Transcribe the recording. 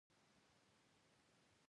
زده کړه د ازادۍ بنسټ دی.